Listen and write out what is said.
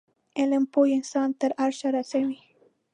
علم پوه انسان تر عرشه رسوی